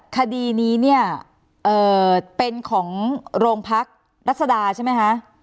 คดีนี้เนี้ยเอ่อเป็นของโรงพักษณ์รัฐสดาใช่ไหมฮะ